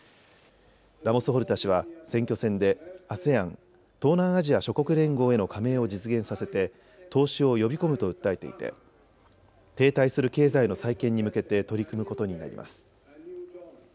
ラモス・ホルタ氏は選挙戦でＡＳＥＡＮ・東南アジア諸国連合への加盟を実現させて投資を呼び込むと訴えていて停滞する経済の再建に向けて取り組むことになります。